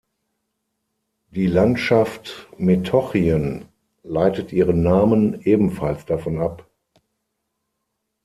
Die Landschaft Metochien leitet ihren Namen ebenfalls davon ab.